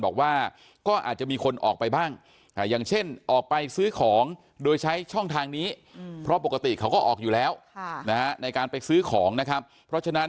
บอกว่าก็อาจจะมีคนออกไปบ้างอย่างเช่นออกไปซื้อของโดยใช้ช่องทางนี้เพราะปกติเขาก็ออกอยู่แล้วในการไปซื้อของนะครับเพราะฉะนั้น